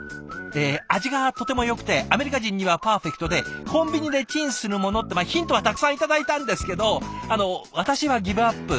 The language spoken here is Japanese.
え味がとてもよくてアメリカ人にはパーフェクトでコンビニでチンするものってヒントはたくさん頂いたんですけどあの私はギブアップ。